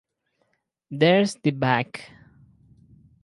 There's the back!